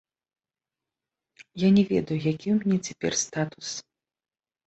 Я не ведаю, які ў мяне цяпер статус.